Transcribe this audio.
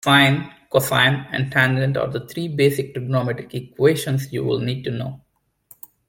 Sine, cosine and tangent are three basic trigonometric equations you'll need to know.